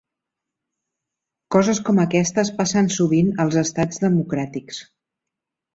Coses com aquestes passen sovint als estats democràtics.